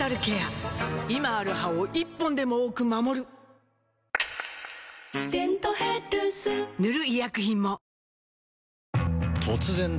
今ある歯を１本でも多く守る「デントヘルス」塗る医薬品も